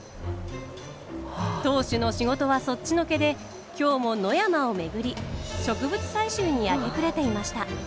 当主の仕事はそっちのけで今日も野山を巡り植物採集に明け暮れていました。